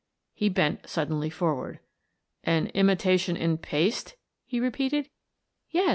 He bent suddenly forward. "An imitation in paste?" he repeated. "Yes.